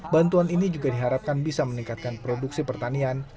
bantuan ini juga diharapkan bisa meningkatkan produksi pertanian